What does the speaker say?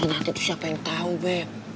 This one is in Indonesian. berusaha nanti itu siapa yang tahu beb